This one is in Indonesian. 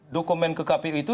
dokumen ke kpi itu